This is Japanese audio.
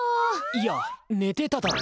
いや寝てただろ！